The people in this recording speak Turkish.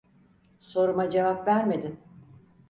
Soruma cevap vermedin.